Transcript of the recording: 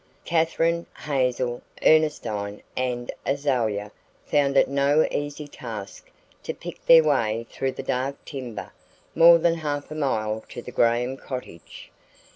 Katherine, Hazel, Ernestine and Azalia found it no easy task to pick their way through the dark timber more than half a mile to the Graham cottage.